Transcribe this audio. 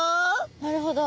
なるほど。